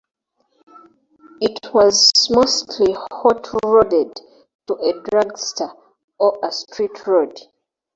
It was mostly hot rodded to a dragster, or a street rod.